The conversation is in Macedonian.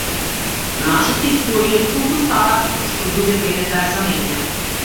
Нашата историја е толку стара што дојде време да ја замениме.